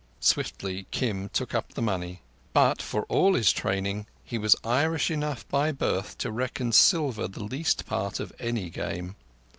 Swiftly Kim took up the money; but for all his training, he was Irish enough by birth to reckon silver the least part of any game.